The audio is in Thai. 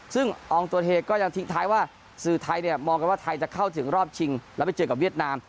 ซึ่งอองตัวเทก็ยังทิ้งท้ายว่าสื่อไทยเนี่ยมองกันว่าไทยจะเข้าถึงรอบชิงแล้วไปเจอกับเวียดนาม